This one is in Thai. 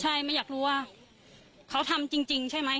ใช่ไม่อยากรู้ว่าเขาทำจริงใช่ไหม